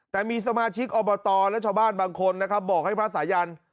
แต่มีสมาชิกอบตและชาวบ้านบางคนนะครับบอกให้พระสายัน